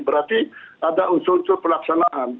berarti ada unsur unsur pelaksanaan